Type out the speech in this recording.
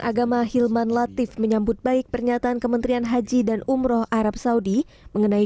agama hilman latif menyambut baik pernyataan kementerian haji dan umroh arab saudi mengenai